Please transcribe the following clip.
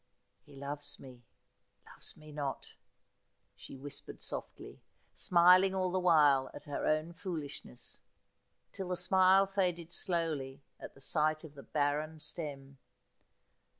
■ He loves me — loves me not,' she whispered softly, smiling all the while at her own foolishness, till the smile faded slowly at sight of the barren stem.